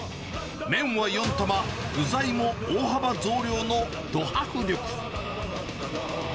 麺は４玉、具材も大幅増量のど迫力。